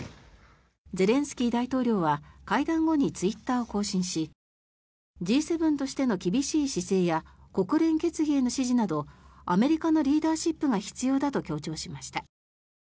ゼレンスキー大統領は会談後にツイッターを更新しＧ７としての厳しい姿勢や国連決議への支持などアメリカのリーダーシップが必要だと強調しました。